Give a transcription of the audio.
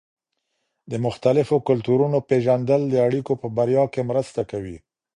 د مختلفو کلتورونو پېژندل د اړيکو په بریا کې مرسته کوي.